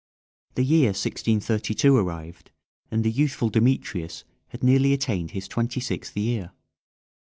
The year 1632 arrived, and the youthful Demetrius had nearly attained his twenty sixth year.